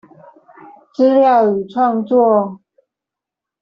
資料與創作